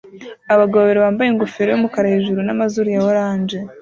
Abagabo babiri bambaye ingofero yumukara hejuru namazuru ya orange